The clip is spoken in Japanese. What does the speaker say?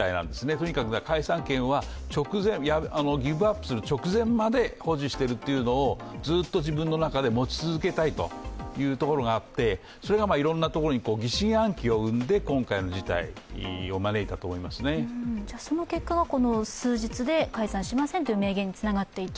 とにかく解散権はギブアップする直前まで保持しているっていうのを、ずっと自分の中で持ち続けたいというところがあって、それがいろんなところに疑心暗鬼を生んで、今回の事態をその結果がこの数日で解散しませんという明言につながっていった？